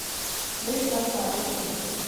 ډېر سخت ناروغ شوم.